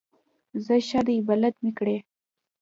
ځه ښه دی بلد مې کړې.